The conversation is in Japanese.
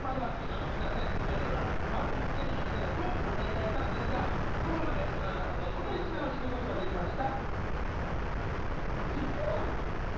この○×機能にちなんでイベントで○×形式でのトークを展開したんですが、その中で、田中さんのこんな一面を知ることができました。